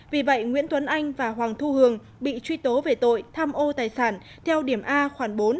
vì vậy nguyễn tuấn anh và hoàng thu hường bị truy tố về tội tham ô tài sản theo điểm a khoảng bốn